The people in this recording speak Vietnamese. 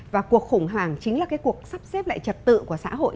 và cuộc khủng hoảng chính là cái cuộc sắp xếp lại trật tự của xã hội